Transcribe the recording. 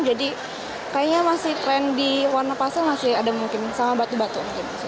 jadi kayaknya masih tren di warna pastel masih ada mungkin sama batu batu